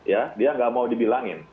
ya dia nggak mau dibilangin